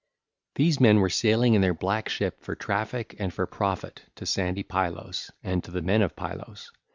These men were sailing in their black ship for traffic and for profit to sandy Pylos and to the men of Pylos.